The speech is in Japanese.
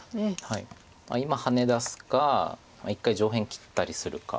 今ハネ出すか１回上辺切ったりするか。